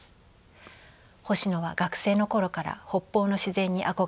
星野は学生の頃から北方の自然に憧れを抱いていました。